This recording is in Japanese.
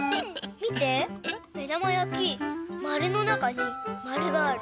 みてめだまやきまるのなかにまるがある。